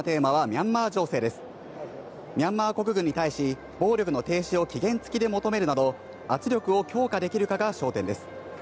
ミャンマー国軍に対し、暴力の停止を期限付きで求めるなど、圧力を強化できるかが焦点です。